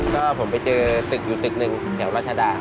ก็ผมไปเจอตึกอยู่ตึกหนึ่งแถวรัชดา